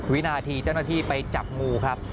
วินาทีเจ้าหน้าที่ไปจับงูครับ